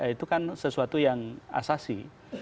itu kan sesuatu yang asasi